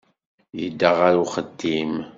Yedda ɣer uxeddim.